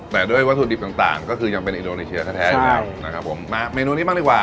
แต่ด้วยวัตถุดิบต่างก็คือยังเป็นอินโดนีเชียแท้อยู่แล้วนะครับผมมาเมนูนี้บ้างดีกว่า